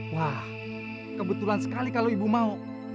wah kebetulan sekali kalau ibu mau